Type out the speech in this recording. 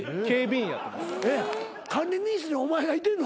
管理人室にお前がいてんの？